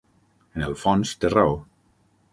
En el fons té raó.